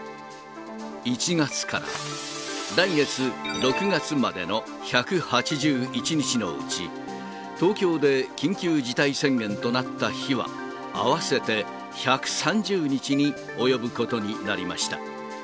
１月から来月・６月までの１８１日のうち、東京で緊急事態宣言となった日は、合わせて１３０日に及ぶことになりました。